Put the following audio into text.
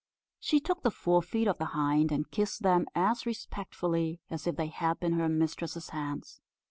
She took the forefeet of the hind, and kissed them as respectfully as if they had been her mistress's hands.